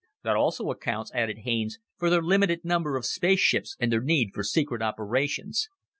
"That also accounts," added Haines, "for their limited number of spaceships and their need for secret operations."